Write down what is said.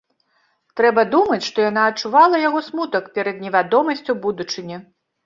Трэба думаць, што яна адчувала яго смутак перад невядомасцю будучыні.